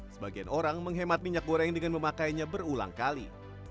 sebagian orang menghemat minyak goreng dengan memakainya berulang kali